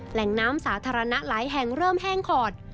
แหล่งน้ำสาธารณะหลายแห่งเริ่มแห้งขอด